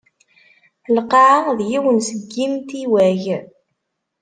Lqaεa d yiwen seg imtiwag.